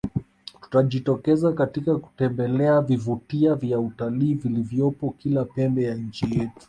Tutajitokeza katika kutembelea vivutia vya utalii vilivyopo kila pembe ya nchi yetu